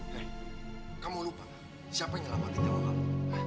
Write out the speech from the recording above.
liat kamu lupa siapa yang nyelamatkan nyawa kamu